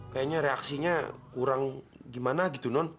kayaknya reaksinya kurang gimana gitu non